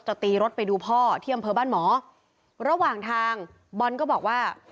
ตีรถไปดูพ่อที่อำเภอบ้านหมอระหว่างทางบอลก็บอกว่า